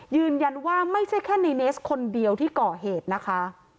ยืนยันว่าไม่ใช่แค่ในเนสคนเดียวที่ก่อเหตุนะคะ